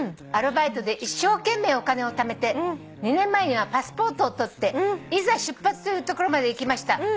「アルバイトで一生懸命お金をためて２年前にはパスポートを取っていざ出発するところまでいきました」